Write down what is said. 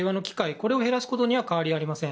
これを減らすことには変わりありません。